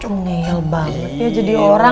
angel banget ya jadi orang